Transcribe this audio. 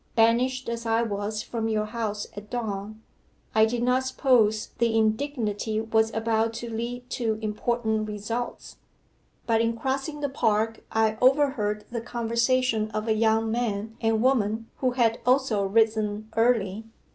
Banished as I was from your house at dawn, I did not suppose the indignity was about to lead to important results. But in crossing the park I overheard the conversation of a young man and woman who had also risen early.